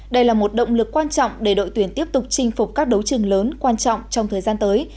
đây là một động lực quan trọng để đội tuyển tiếp tục chinh phục các đấu trường lớn quan trọng trong thời gian tới